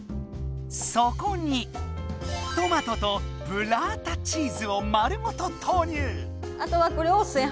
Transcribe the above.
そこにトマトとブッラータチーズを丸ごと投入！